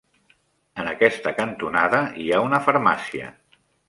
En aquesta cantonada hi ha una farmàcia.